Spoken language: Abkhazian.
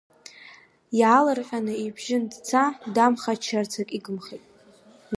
Иаалырҟьаны, ибжьы нҭца, дамхаччарц ак игымхеит.